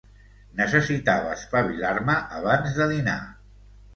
Necessitava espavilar-me abans de dinar.